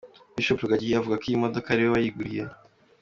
Bishop Rugagi avuga ko iyi modoka ari we wayiguriye.